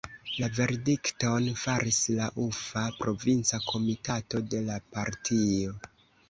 La verdikton faris la Ufa provinca komitato de la partio.